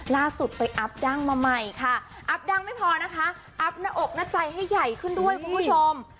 ล่าสุดไปอัพดั้งมาใหม่ค่ะอัพดังไม่พอนะคะอัพหน้าอกหน้าใจให้ใหญ่ขึ้นด้วยคุณผู้ชม